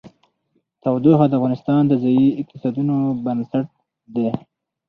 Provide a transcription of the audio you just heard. تودوخه د افغانستان د ځایي اقتصادونو بنسټ دی.